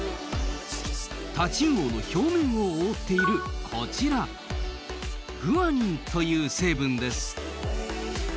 タチウオの表面を覆っているこちらグアニンという成分です。